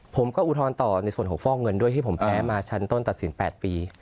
อุทธรณ์ต่อในส่วนของฟอกเงินด้วยที่ผมแพ้มาชั้นต้นตัดสิน๘ปี